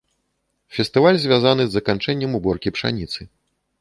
Фестываль звязаны з заканчэннем уборкі пшаніцы.